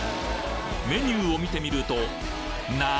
メニューを見てみると何！？